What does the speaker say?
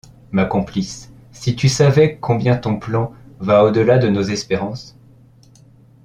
Ma complice, Si tu savais combien ton plan va au-delà de nos espérances. ..